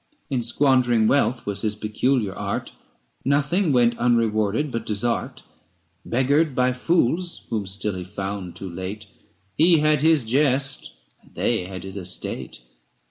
In squandering wealth was his peculiar art ; Nothing went unrewarded but desert. 560 Beggared by fools whom still he found too late, He had his jest, and they had his estate.